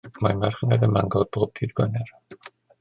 Mae marchnad ym Mangor bob dydd Gwener.